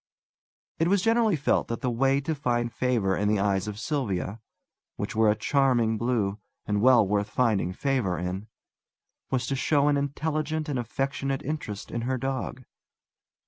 It was generally felt that the way to find favour in the eyes of Sylvia which were a charming blue, and well worth finding favour in was to show an intelligent and affectionate interest in her dog.